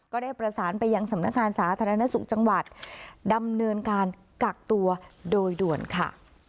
ก็ได้ประสานไปยังสำนักงานสาธารณสุขจังหวัดดำเนินการกักตัวโดยด่วนค่ะ